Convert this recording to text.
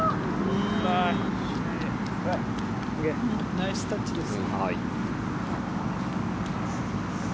ナイスタッチです。